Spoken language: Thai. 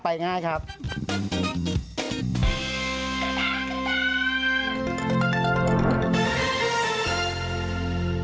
โปรดติดตามตอนต่อไป